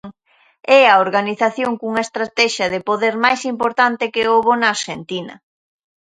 É a organización cunha estratexia de poder máis importante que houbo na Arxentina.